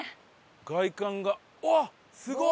外観がうわっすごい！